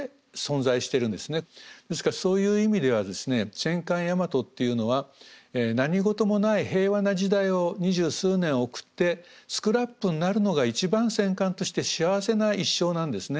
ですからそういう意味ではですね戦艦大和っていうのは何事もない平和な時代を二十数年送ってスクラップになるのが一番戦艦として幸せな一生なんですね。